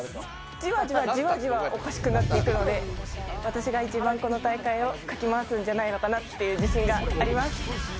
じわじわじわじわおかしくなっていくので、私が一番、この大会をかき回すんじゃないのかなっていう自信があります。